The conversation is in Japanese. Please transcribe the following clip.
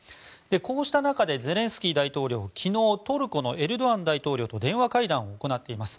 こうした中でゼレンスキー大統領昨日トルコのエルドアン大統領と電話会談を行っています。